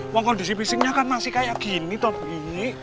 wah kondisi pisingnya kan masih kayak gini tob gini